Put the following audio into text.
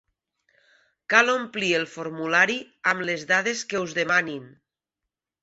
Cal omplir el formulari amb les dades que us demanin.